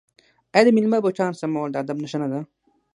آیا د میلمه بوټان سمول د ادب نښه نه ده؟